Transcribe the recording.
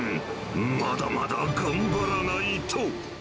まだまだ頑張らないと。